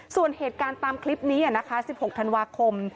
ส่วนเหตุการณ์ตามคลิปนี้นะคะ๑๖ธันวาคม